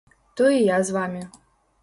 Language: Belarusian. То і я з вамі.